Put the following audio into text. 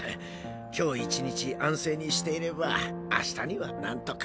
今日１日安静にしていれば明日には何とか。